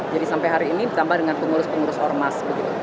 jadi sampai hari ini ditambah dengan pengurus pengurus ormas